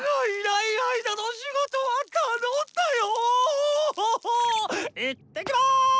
いってきます！